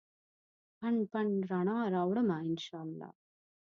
پنډ ، پنډ رڼا راوړمه ا ن شا الله